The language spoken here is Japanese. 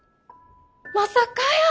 まさかやー！